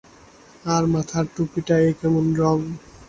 আর মাথার টুপিটায় এ কেমন রঙ!